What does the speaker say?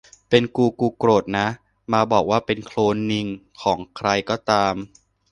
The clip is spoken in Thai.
เป็นกูกูโกรธนะ มาบอกว่าเป็นโคลนนิงของใครก็ตาม